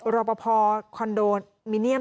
รอปภคอนโดมิเนียม